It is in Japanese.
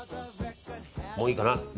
もういいかな？